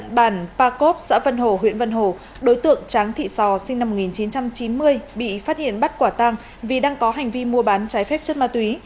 địa phận bản pa cốp xã vân hồ huyện vân hồ đối tượng tráng thị so sinh năm một nghìn chín trăm chín mươi bị phát hiện bắt quả tăng vì đang có hành vi mua bán trái phép chất ma túy